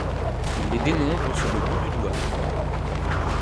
Il les dénombre sur le bout du doigt.